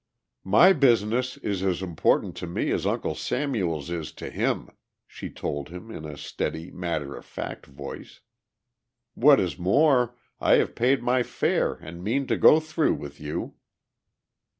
"My business is as important to me as Uncle Samuel's is to him," she told him in a steady, matter of fact voice. "What is more, I have paid my fare and mean to go through with you."